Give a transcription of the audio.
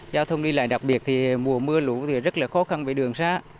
giao thông đi lại đặc biệt mùa mưa lũ rất là khó khăn với đường xa